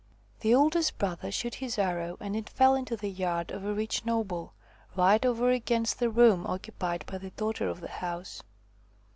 The oldest brother shot his arrow, and it fell into the yard of a rich noble, right over against the room occupied by the daughter of the house.